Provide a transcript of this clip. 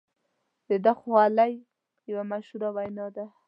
د ده د خولې یوه مشهوره وینا ده.